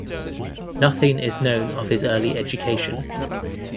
Nothing is known of his early education.